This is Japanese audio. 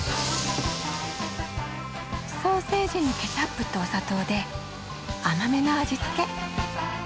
ソーセージにケチャップとお砂糖で甘めの味付け。